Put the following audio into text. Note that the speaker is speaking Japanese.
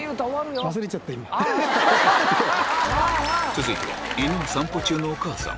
続いては犬を散歩中のお母さん